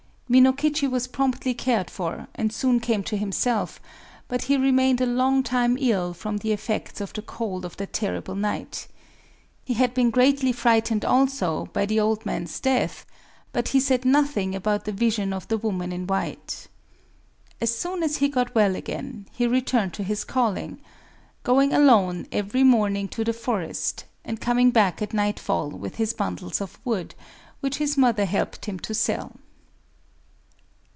Minokichi was promptly cared for, and soon came to himself; but he remained a long time ill from the effects of the cold of that terrible night. He had been greatly frightened also by the old man's death; but he said nothing about the vision of the woman in white. As soon as he got well again, he returned to his calling,—going alone every morning to the forest, and coming back at nightfall with his bundles of wood, which his mother helped him to sell.